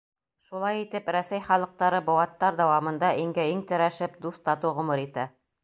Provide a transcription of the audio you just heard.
Шулай итеп, Рәсәй халыҡтары быуаттар дауамында иңгә-иң терәшеп, дуҫ-татыу ғүмер итә.